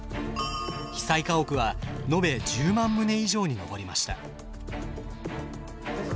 被災家屋は延べ１０万棟以上に上りました。